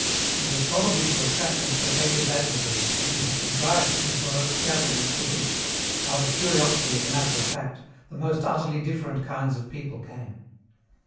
It was probably to attract and placate his adversaries that he had contrived these baroque gatherings to which, out of curiosity as a matter of fact, the most utterly different kinds of people came.